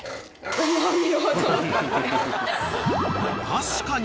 ［確かに］